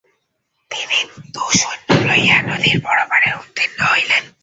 তিনি তো সৈন্য লইয়া নদীর পরপারে উত্তীর্ণ হইলেন।